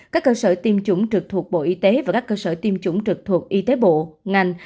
các cơ sở tiêm chủng trực thuộc bộ y tế và các cơ sở tiêm chủng trực thuộc y tế bộ ngành